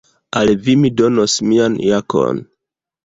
Al vi mi donos mian jakon.